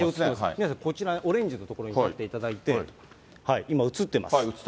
宮根さん、こちらオレンジの所に立っていただいて、今映ってます。